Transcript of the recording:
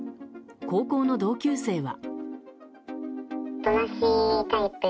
高校の同級生は。